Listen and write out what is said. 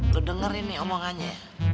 lu denger ini omongannya